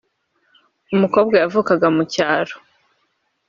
umukobwa wavukaga mu cyaro